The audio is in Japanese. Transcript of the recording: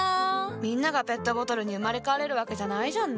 みんながペットボトルに生まれ変われるわけじゃないじゃんね。